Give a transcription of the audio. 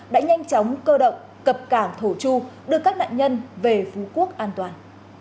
đã nhanh chóng cơ động cập cảng thổ chu đưa các nạn nhân về phú quốc an toàn